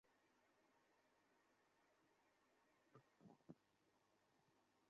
ইসলামপুর এলাকার বাসিন্দা সূত্রে জানা যায়, দুই সপ্তাহ ধরে পদ্মায় পানি বাড়তে থাকে।